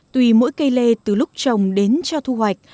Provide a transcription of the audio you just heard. tùy mỗi cây lê từ lúc trồng đến cho thu hoạch